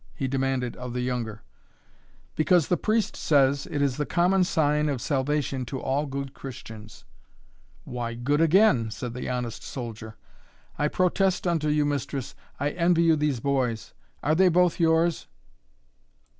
he demanded of the younger. "Because the priest says it is the common sign of salvation to all good Christians." "Why, good again!" said the honest soldier. "I protest unto you, mistress, I envy you these boys. Are they both yours?"